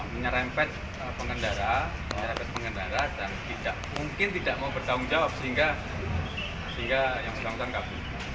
menyerempet pengendara dan mungkin tidak mau bertanggung jawab sehingga yang sedang tangkap